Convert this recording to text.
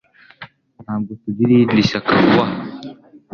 Ntabwo tugira irindi shyaka vuba aha